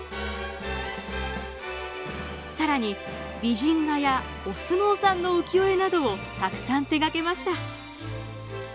更に美人画やお相撲さんの浮世絵などをたくさん手がけました。